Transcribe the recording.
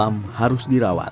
alam harus dirawat